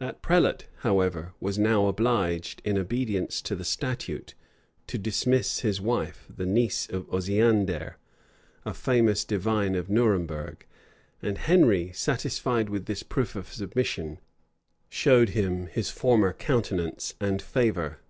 That prelate, however, was now obliged, in obedience to the statute, to dismiss his wife, the niece of Osiander, a famous divine of Nuremburg,[] and Henry, satisfied with this proof of submission, showed him his former countenance and favor.